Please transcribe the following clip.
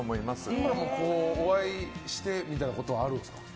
今もお会いしてみたいなことはあるんですか？